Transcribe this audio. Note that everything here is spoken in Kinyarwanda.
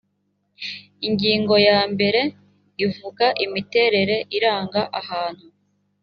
ingingo y mbere ivuga imiterere iranga ahantu